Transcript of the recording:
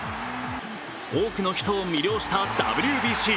多くの人を魅了したＷＢＣ。